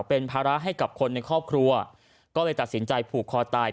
เป็นภาระให้กับคนในครอบครัวก็เลยตัดสินใจผูกคอตาย